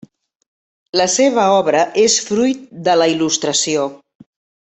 La seva obra és fruit de la il·lustració.